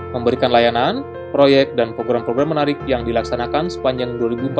memberikan layanan proyek dan program program menarik yang dilaksanakan sepanjang dua ribu empat belas